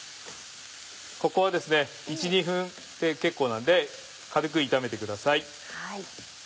ここはですね１２分で結構なんで軽く炒めてください。